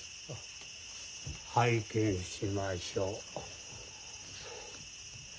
拝見しましょう。